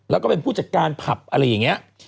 แล้วก็เป็นผู้จัดการผับอะไรอย่างนี้